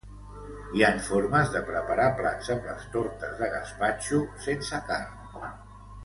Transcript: Hi han formes de preparar plats amb les tortes de gaspatxo sense carn.